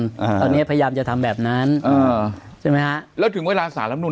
อ่าตอนเนี้ยพยายามจะทำแบบนั้นอ่าใช่ไหมฮะแล้วถึงเวลาสารรับนู